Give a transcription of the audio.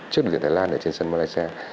trước đội tuyển thái lan ở trên sân malaysia